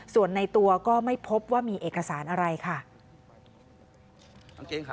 ส่วนในตัวก็ไม่พบว่ามีเอกสารอะไรค่ะ